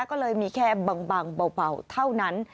ก็เลยมีแค่บางเบาเท่านั้น